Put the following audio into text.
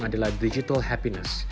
adalah digital happiness